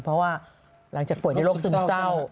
เพราะว่าหลังจากป่วยด้วยโรคซึมเศร้า